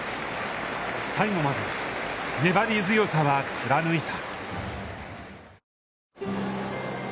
最後まで粘り強さは貫いた。